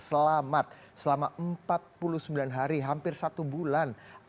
selamat selama empat puluh sembilan hari hampir satu bulan